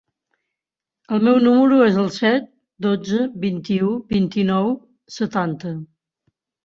El meu número es el set, dotze, vint-i-u, vint-i-nou, setanta.